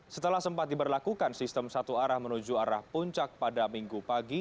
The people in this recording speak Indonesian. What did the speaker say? setelah sempat diberlakukan sistem satu arah menuju arah puncak pada minggu pagi